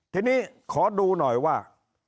ทีนี้ขอดูหน่อยว่า